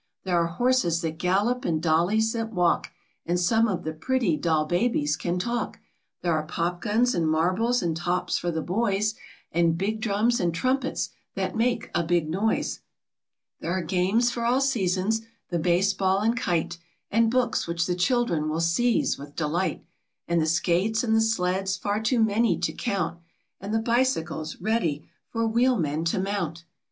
There are horses that gallop, and dollies that walk, And some of the pretty doll babies can talk, There are pop guns, and marbles, and tops for the boys* 7 SANTA CLAUS IN HIS LIBRARY. WHERE SANTA CLAUS LIVES, AND WHAT HE DOES. There are games for all seasons, the base ball and kite, And books which the children will seize with delight, And the skates and the sleds, far too many to count, And the bicycles ready for wheelmen to mount.